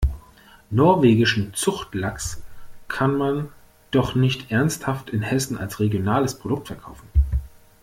Norwegischen Zuchtlachs kann man doch nicht ernsthaft in Hessen als regionales Produkt verkaufen!